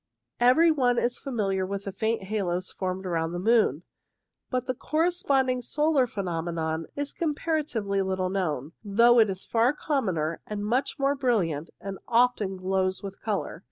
Every one is familiar with the faint halos formed round the moon, but the corresponding solar phenomenon is comparatively little known, though it is far commoner, much more brilliant, and often glows with colour.